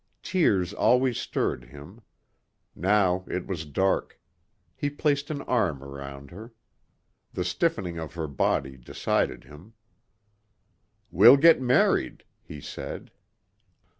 Tears always stirred him. Now it was dark. He placed an arm around her. The stiffening of her body decided him. "We'll get married," he said.